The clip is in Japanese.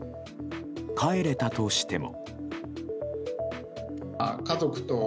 帰れたとしても。